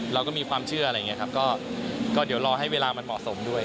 เราก็มีความเชื่ออะไรอย่างนี้ครับก็เดี๋ยวรอให้เวลามันเหมาะสมด้วย